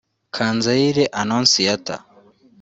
Kanzayire Anonsiyata